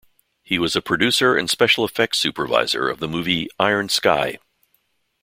He was a producer and special-effects supervisor of the movie "Iron Sky".